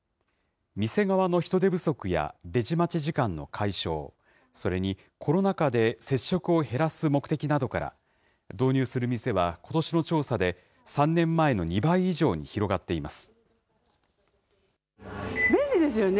店側の人手不足やレジ待ち時間の解消、それにコロナ禍で接触を減らす目的などから、導入する店は、ことしの調査で、３年前の２倍以上に広がっています。